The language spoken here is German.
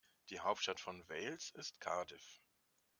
Die Hauptstadt von Wales ist Cardiff.